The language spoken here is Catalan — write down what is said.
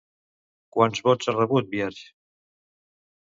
Quants vots ha rebut Bierge?